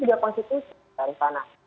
tapi juga konstitusi dari sana